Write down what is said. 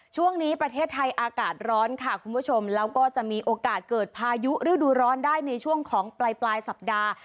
ช่วงนี้ประเทศไทยอากาศร้อนค่ะคุณผู้ชมแล้วก็จะมีโอกาสเกิดพายุฤดูร้อนได้ในช่วงของปลายปลายสัปดาห์